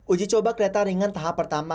uji coba kereta ringan tahap pertama